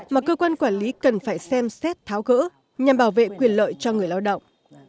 mà cơ quan quản lý cần phải xem xét tháo gỡ nhằm bảo vệ quyền lợi cho người lao động